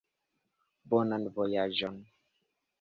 Bonan vojaĝon!